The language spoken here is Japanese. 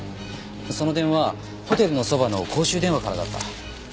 その電話ホテルのそばの公衆電話からだった。